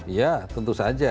ya tentu saja